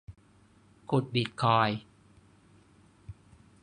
ขุดบิตคอยน์